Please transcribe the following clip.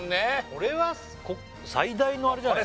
これは最大のあれじゃない？